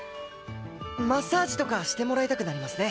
マッサージとかしてもらいたくなりますね。